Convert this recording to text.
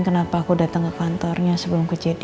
kamu denger saya kat